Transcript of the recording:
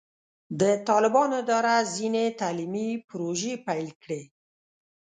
د طالبانو اداره ځینې تعلیمي پروژې پیل کړې.